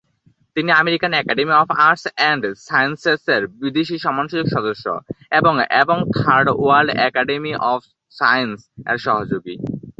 তিনি "American Academy of Arts and সায়েন্সেসের" বিদেশী সম্মানসূচক সদস্য এবং এবং "Third World Academy of Science" এর সহযোগী।